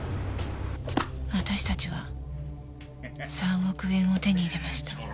私たちは３億円を手に入れました。